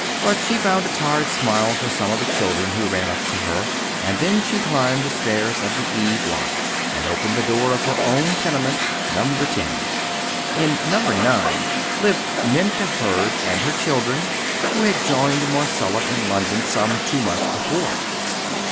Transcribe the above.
But she found a tired smile for some of the children who ran up to her, and then she climbed the stairs of the E. block, and opened the door of her own tenement, number 10. In number 9 lived Minta Hurd and her children, who had joined Marcella in London some two months before.